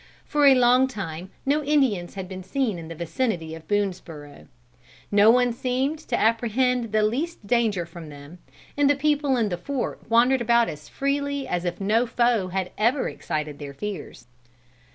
For a long time no Indians had been seen in the vicinity of Boonesborough. No one seemed to apprehend the least danger from them, and the people in the fort wandered about as freely as if no foe had ever excited their fears.